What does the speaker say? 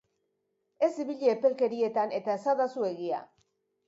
Ez ibili epelkerietan eta esadazu egia!